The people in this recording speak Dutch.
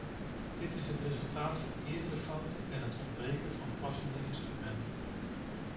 Dit is het resultaat van eerdere fouten en het ontbreken van passende instrumenten.